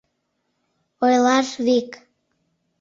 Ойлаш вик